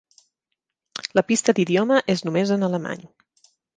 La pista d'idioma és només en alemany.